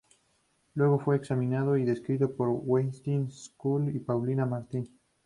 Luego fue examinado y descrito por Wettstein, Scholz, y Paulin Martin.